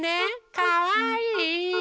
かわいい。